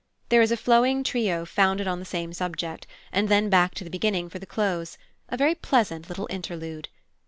There is a flowing trio founded on the same subject, and then back to the beginning for the close a very pleasant little interlude.